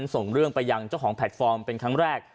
ส่งเรื่องไปยังเจ้าของแพลตฟอร์มเป็นครั้งแรก